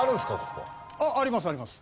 ここは。ありますあります。